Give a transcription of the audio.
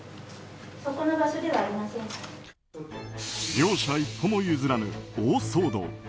両者一歩も譲らぬ大騒動。